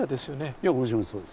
いやもちろんそうです。